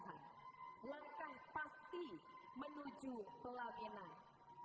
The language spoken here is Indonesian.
langkah pasti menuju telah minang